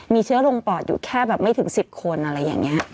มีเชื้อลงปอดอยู่แค่แบบไม่ถึง๑๐คนอะไรอย่างนี้